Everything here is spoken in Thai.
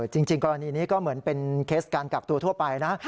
จริงกรณีนี้ก็เหมือนเป็นเคสการกักตัวทั่วไปนะ